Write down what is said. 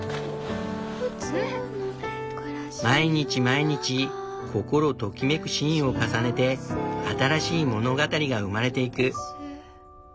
毎日毎日心ときめくシーンを重ねて新しい物語が生まれていく。